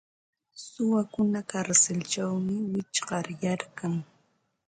Suwakuna karsilćhawmi wichqaryarkan.